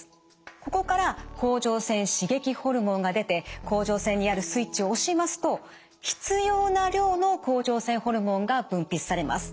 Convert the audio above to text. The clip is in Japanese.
ここから甲状腺刺激ホルモンが出て甲状腺にあるスイッチを押しますと必要な量の甲状腺ホルモンが分泌されます。